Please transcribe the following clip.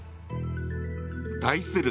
対する